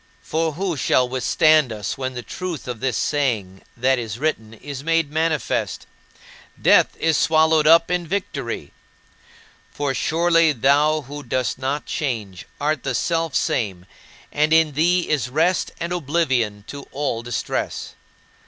" For who shall withstand us when the truth of this saying that is written is made manifest: "Death is swallowed up in victory"? For surely thou, who dost not change, art the Selfsame, and in thee is rest and oblivion to all distress.